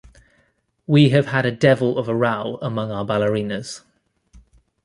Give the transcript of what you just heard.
We have had a devil of a row among our ballerinas.